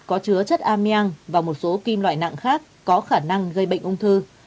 có chứa chất ameang và một số kim loại nặng khác có khả năng gây bệnh ung thư